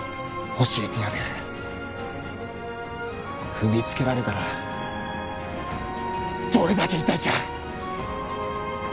踏みつけられたらどれだけ痛いか！